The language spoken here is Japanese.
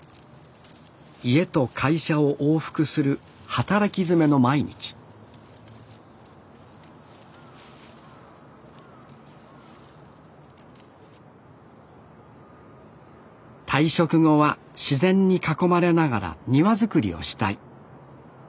家と会社を往復する働きづめの毎日退職後は自然に囲まれながら庭作りをしたい。